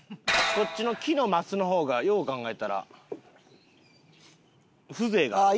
こっちの木のマスの方がよう考えたら風情があるから。